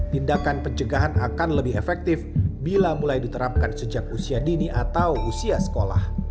tindakan pencegahan akan lebih efektif bila mulai diterapkan sejak usia dini atau usia sekolah